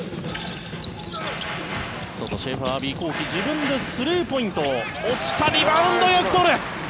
外、シェーファーアヴィ幸樹自分でスリーポイント落ちた、リバウンドよく取る！